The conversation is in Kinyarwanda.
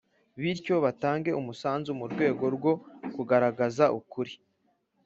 bityo batange umusanzu mu rwego rwo kugaragaza ukuri,